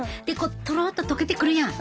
とろっと溶けてくるやん。